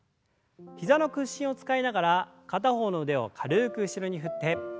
膝の屈伸を使いながら片方の腕を軽く後ろに振って。